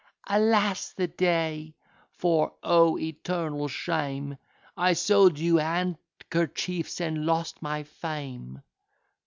Alas! the day; for (O, eternal shame!) I sold you handkerchiefs, and lost my fame.